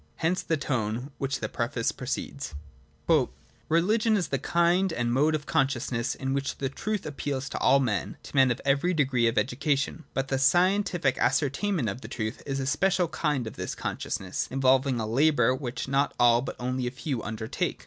Hence the tone in which the preface proceeds (p. xviii). ' Religion is the kind and mode of consciousness in which the Truth appeals to all men, to men of every degree of education; but the scientific ascertainment of the Truth is a special kind of this consciousness, involving a labour which not all but only a few under take.